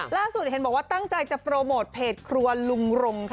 ล่าสุดเห็นบอกว่าตั้งใจจะโปรโมทเพจครัวลุงรงค่ะ